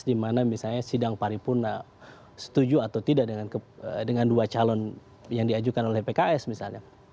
dimana misalnya sidang paripurna setuju atau tidak dengan dua calon yang diajukan oleh pks misalnya